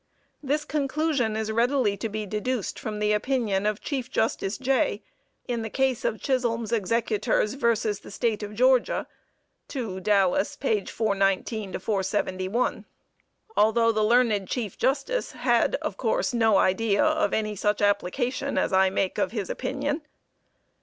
This conclusion is readily to be deduced from the opinion of Chief Justice Jay in the case of Chisholm's Ex'rs vs. The State of Georgia (2 Dallas, 419 471), although the learned Chief Justice had of course no idea of any such application as I make of his opinion.